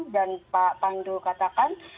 dan pak pandu katakan